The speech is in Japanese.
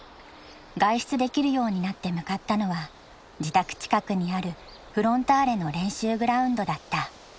外出できるようになって向かったのは自宅近くにあるフロンターレの練習グラウンドだった。